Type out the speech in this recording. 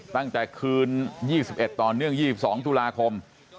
ตั้งแต่คืน๒๑ต่อเนื่อง๒๒ตุลาคม